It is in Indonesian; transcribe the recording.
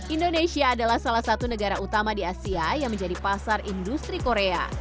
indonesia adalah salah satu negara utama di asia yang menjadi pasar industri korea